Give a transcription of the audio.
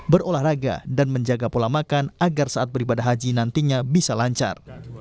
berolahraga dan menjaga pola makan agar saat beribadah haji nantinya bisa lancar